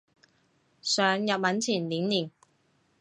上日文前練練